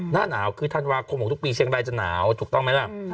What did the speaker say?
หน้าหนาวคือธันวาคมของทุกปีเชียงรายจะหนาวถูกต้องไหมล่ะ